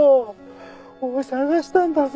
お前探したんだぞ。